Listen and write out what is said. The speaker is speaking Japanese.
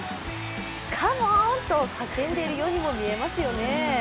カモーンと叫んでいるようにも見えますよね。